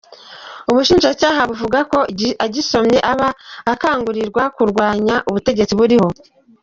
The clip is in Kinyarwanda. Ubushinjacyaha buvuga ko ‘ugisomye aba akangurirwa kurwanya ubutegetsi buriho.’